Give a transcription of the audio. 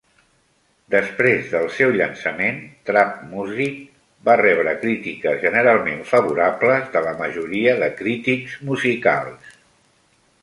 Després del seu llançament, "Trap Muzik" va rebre crítiques generalment favorables de la majoria de crítics musicals.